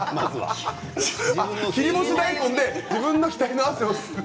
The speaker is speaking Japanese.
切り干し大根で自分の額の汗を拭く。